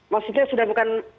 maksudnya sudah bukan